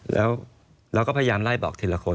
แล้วเราก็พยายามไล่บอกทีละคน